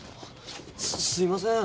すすいません。